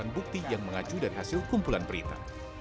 bukan bukti yang mengacu dari hasil kumpulan berita